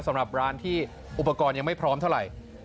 สำหรับร้านที่อุปกรณ์ยังไม่พร้อมเท่าไหร่